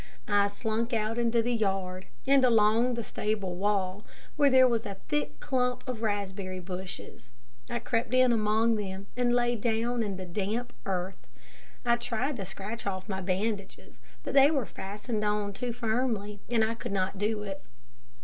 I slunk out into the yard, and along the stable wall, where there was a thick clump of raspberry bushes. I crept in among them and lay down in the damp earth. I tried to scratch off my bandages, but they were fastened on too firmly, and I could not do it.